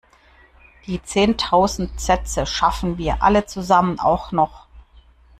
Die zehntausend Sätze schaffen wir alle zusammen auch noch!